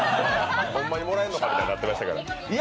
ほんまにもらえるのか、みたいになってましたけど。